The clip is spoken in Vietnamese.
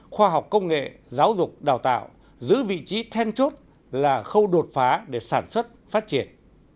khoa học công nghệ giáo dục đào tạo giữ vị trí then chốt là khâu đột phá để sản xuất phát triển